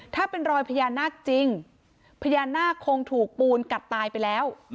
ถ้าเป็นรอยพญานาคจริงพญานาคคงถูกปูนกัดตายไปแล้ว